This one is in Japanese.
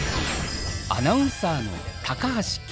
アナウンサーの高橋圭三。